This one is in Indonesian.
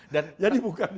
dan jadi bukan juga